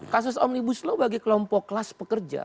kasus omnibus law bagi kelompok kelas pekerja